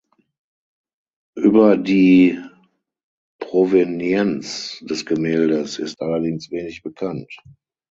Über die Provenienz des Gemäldes ist allerdings wenig bekannt.